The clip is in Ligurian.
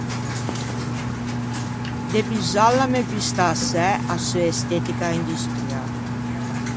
De Busalla me gusta assæ a seu estetica industriâ.